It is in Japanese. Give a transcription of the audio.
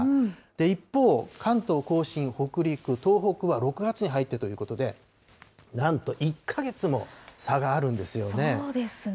一方、関東甲信、北陸、東北は６月に入ってということで、なんとそうですね。